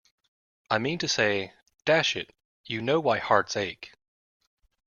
I mean to say — dash it, you know why hearts ache!